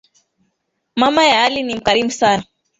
Mama ya ali ni mkarimu sana.